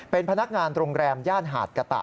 เป็นพนักงานโรงแรมย่านหาดกะตะ